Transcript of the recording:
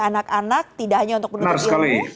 anak anak tidak hanya untuk menutupi